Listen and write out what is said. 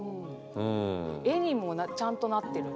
絵にもちゃんとなってる。